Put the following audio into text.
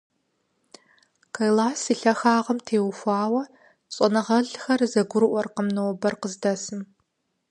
Кайлас и лъагагъым теухуауэ щӀэныгъэлӀхэр зэгурыӀуакъым нобэр къыздэсым.